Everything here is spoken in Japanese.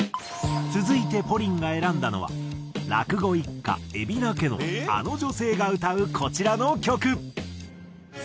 続いてＰＯＲＩＮが選んだのは落語一家海老名家のあの女性が歌うこちらの曲。